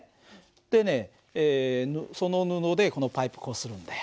でねその布でこのパイプこするんだよ。